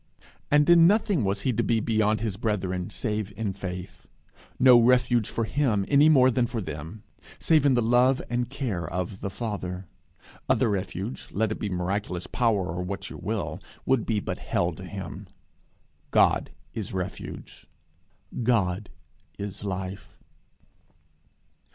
And in nothing was he to be beyond his brethren, save in faith. No refuge for him, any more than for them, save in the love and care of the Father. Other refuge, let it be miraculous power or what you will, would be but hell to him. God is refuge. God is life.